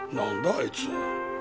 あいつ。